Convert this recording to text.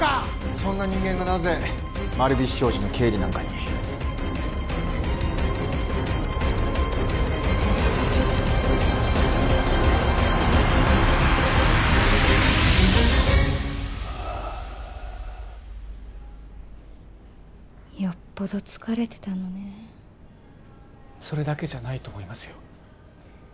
そんな人間がなぜ丸菱商事の経理なんかによっぽど疲れてたのねそれだけじゃないと思いますよ